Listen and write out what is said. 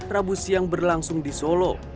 rabu siang berlangsung di solo